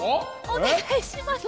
おねがいします。